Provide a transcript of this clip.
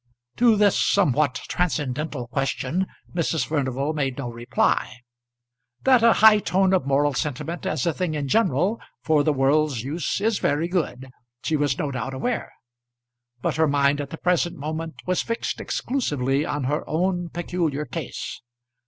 To this somewhat transcendental question Mrs. Furnival made no reply. That a high tone of moral sentiment as a thing in general, for the world's use, is very good, she was no doubt aware; but her mind at the present moment was fixed exclusively on her own peculiar case.